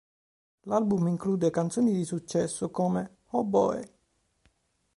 L'album include canzoni di successo come "Oh, Boy!